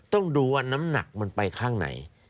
ต้องดูว่าน้ำหนักมันไปข้างไหน